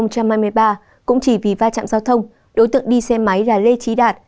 cũng chỉ vì va chạm giao thông đối tượng đi xe máy là lê trí đạt